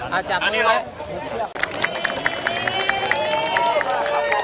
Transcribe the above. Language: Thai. อย่าถอยนะครับ